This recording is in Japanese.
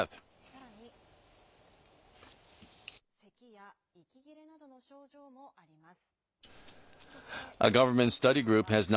さらに、せきや息切れなどの症状もあります。